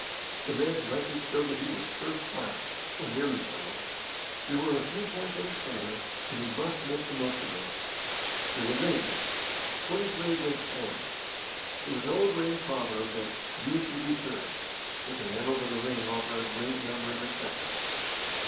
The man's record showed that he was first class or nearly so. There were a few points in his favour, and he must make the most of them. There was age twenty three against forty. There was an old ring proverb that "Youth will be served," but the annals of the ring offer a great number of exceptions.